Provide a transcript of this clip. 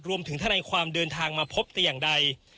รวมถึงท่านายความเดินทางมาพบแต่อย่างใด